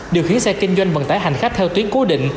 điều khiến xe kinh doanh vận tải hành khách theo tuyến cố định